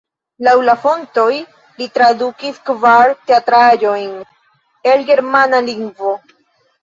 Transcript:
Laŭ la fontoj li tradukis kvar teatraĵojn el germana lingvo.